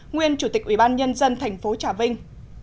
nguyên chủ tịch ủy ban nhân dân thành phố trà vinh